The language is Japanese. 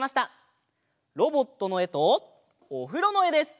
ロボットのえとおふろのえです！